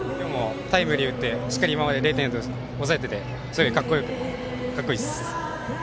タイムリーを打って０点に抑えていてすごく格好いいです。